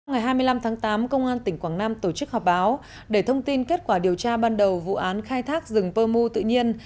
ngày hai mươi năm tháng tám công an tỉnh quảng nam tổ chức họp báo để thông tin kết quả điều tra ban đầu vụ án khai thác rừng pơ mu tự nhiên